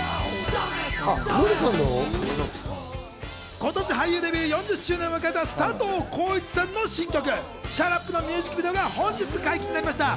今年俳優デビュー４０周年を迎えた佐藤浩市さんの新曲、『ＳｈｕｔＵｐ！！』のミュージックビデオが本日解禁になりました。